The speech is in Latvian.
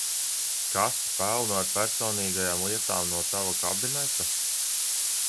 Kasti pilnu ar personīgajām lietām no tava kabineta?